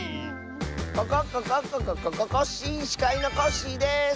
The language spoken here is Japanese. ココッココッコココココッシー！しかいのコッシーです！